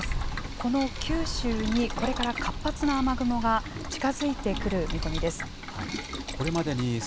この九州にこれから活発な雨雲が近づいてくる見込みです。